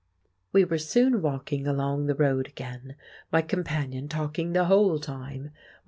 We were soon walking along the road again, my companion talking the whole time.